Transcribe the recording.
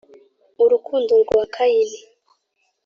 urukundo rwa kayini,